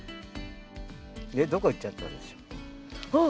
ねっどこ行っちゃったんでしょう？あっ。